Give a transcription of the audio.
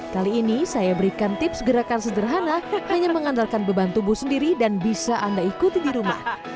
kali ini saya berikan tips gerakan sederhana hanya mengandalkan beban tubuh sendiri dan bisa anda ikuti di rumah